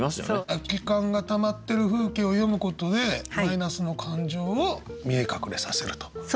空き缶がたまってる風景を詠むことでマイナスの感情を見え隠れさせると。